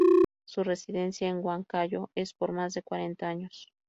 Su residencia en Huancayo es por más de cuarenta años.